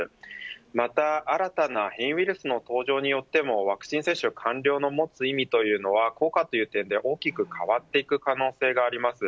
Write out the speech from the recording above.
また、新たな変異ウイルスの登場によってもワクチン接種完了の持つ意味というのは効果という点で、大きく変わっていく可能性があります。